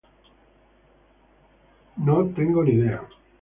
George Saints.